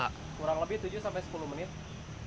kurang lebih tujuh sampai sepuluh menit